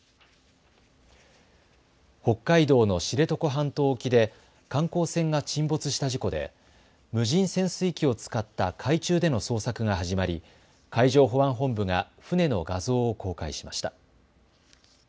北海道の知床半島沖で観光船が沈没した事故で無人潜水機を使った海中での捜索が始まり海上保安本部が船の画像を公開しました。